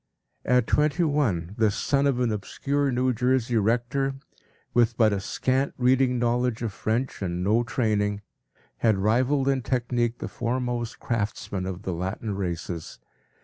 ” At twenty one this son of an obscure New Jersey rector, with but a scant reading knowledge of French and no training, had rivaled in technique the foremost craftsmen of the Latin races.